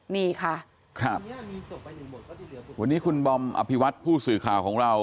นี่ค่ะครับวันนี้คุณบอมอภิวัตผู้สื่อข่าวของเรา